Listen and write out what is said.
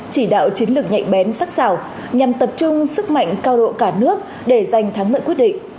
chỉ đạo chiến lược nhạy bén sắc xảo nhằm tập trung sức mạnh cao độ cả nước để giành thắng lợi quyết định